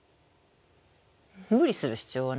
無理する必要はないよ。